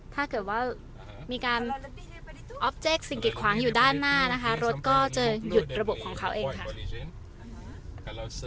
ถ้าเกิดว่ามีการออฟเจกสิ่งกิดขวางอยู่ด้านหน้านะคะรถก็จะหยุดระบบของเขาเองค่ะ